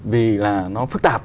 vì là nó phức tạp